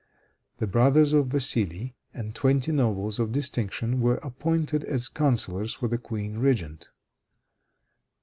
The brothers of Vassili and twenty nobles of distinction were appointed as counselors for the queen regent.